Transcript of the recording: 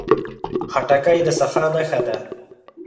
خټکی د سخا نښه ده.